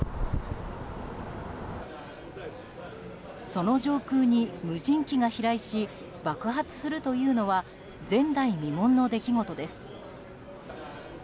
その上空に無人機が飛来し爆発するというのは前代未聞の出来事です。